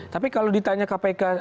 tapi kalau ditanya kpk